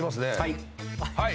はい。